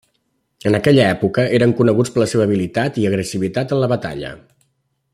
En aquella època, eren coneguts per la seva habilitat i agressivitat en la batalla.